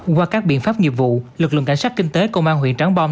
qua các biện pháp nghiệp vụ lực lượng cảnh sát kinh tế công an huyện trắng bom